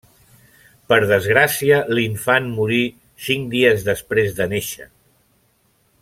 Per desgràcia l'infant morí cinc dies després de néixer.